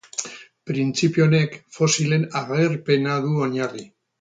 Printzipio honek fosilen agerpena du oinarri.